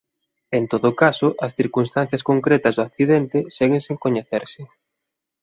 En todo caso as circunstancias concretas do accidente seguen sen coñecerse.